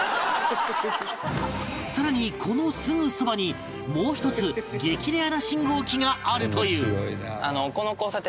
さらにこのすぐそばにもう一つ激レアな信号機があるという